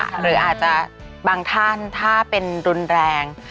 หรืออาจจะบางท่านถ้าเป็นรุนแรง